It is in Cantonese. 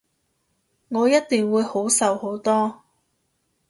我一定會好受好多